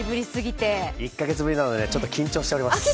１か月ぶりなのでちょっと緊張しております。